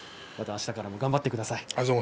あしたからも頑張ってください。